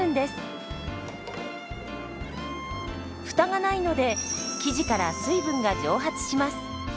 フタがないので生地から水分が蒸発します。